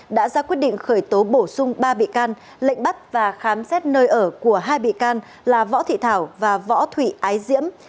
đã ra quyết định khởi tố bổ sung ba bị can lệnh bắt và khám xét nơi ở của hai bị can là võ thị thảo và võ thụy ái diễm